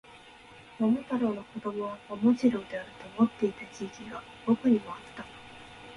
桃太郎の子供は桃次郎であると思っていた時期が僕にもあった